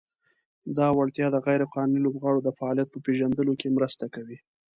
دا وړتیا د "غیر قانوني لوبغاړو د فعالیت" په پېژندلو کې مرسته کوي.